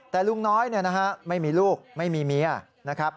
แต่ลุงน้อยไม่มีลูกไม่มีเมียนะครับ